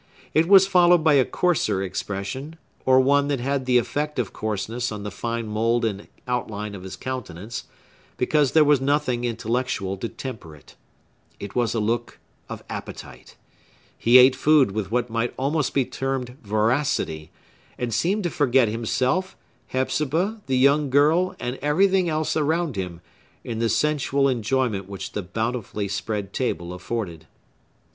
It was followed by a coarser expression; or one that had the effect of coarseness on the fine mould and outline of his countenance, because there was nothing intellectual to temper it. It was a look of appetite. He ate food with what might almost be termed voracity; and seemed to forget himself, Hepzibah, the young girl, and everything else around him, in the sensual enjoyment which the bountifully spread table afforded.